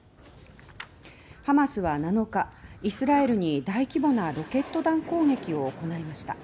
ハマスは７日イスラエルに大規模なロケット弾攻撃を行いました。